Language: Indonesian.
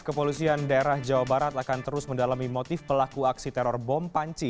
kepolisian daerah jawa barat akan terus mendalami motif pelaku aksi teror bom panci